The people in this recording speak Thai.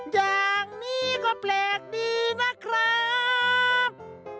อย่างนี้ก็แปลกดีนะครับ